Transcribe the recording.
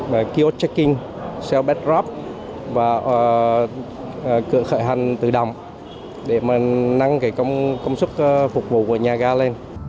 như kiosk check in xeo backdrop và cửa khởi hành tự động để nâng công sức phục vụ của nhà ga lên